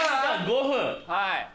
はい。